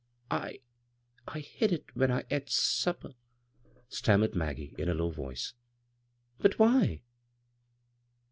" I — I hid it when I et supper," stammered Maggie in a low voice. "But why?"